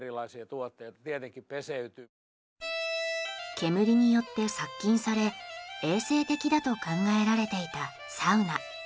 煙によって殺菌され衛生的だと考えられていたサウナ。